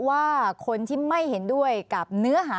สวัสดีค่ะคุณผู้ชมค่ะสิ่งที่คาดว่าอาจจะเกิดขึ้นแล้วนะคะ